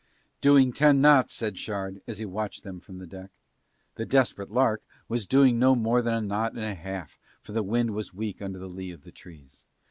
"Doing ten knots," said Shard as he watched them from the deck. The Desperate Lark was doing no more than a knot and a half for the wind was weak under the lee of the trees.